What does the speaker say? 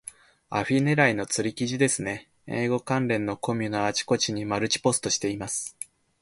アフィ狙いの釣り記事ですね。英語関係のコミュのあちこちにマルチポストしています。